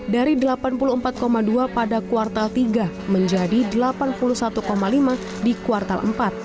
dari delapan puluh empat dua pada kuartal tiga menjadi delapan puluh satu lima di kuartal empat